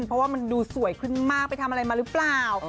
เพราะว่ามันดูสวยขึ้นมากไปทำอะไรมาหรือเปล่า